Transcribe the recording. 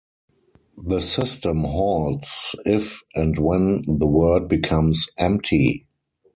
The system halts if and when the word becomes empty.